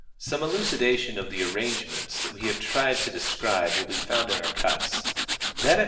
f Some elucidation of the arrangements that we have tried to describe will be found in our cuts. That at p.